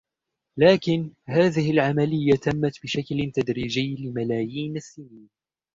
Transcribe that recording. لكن هذه العملية تمت بشكل تدريجي لملايين السنين